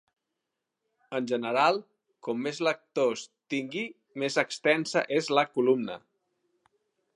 En general, com més lectors tingui més extensa és la columna.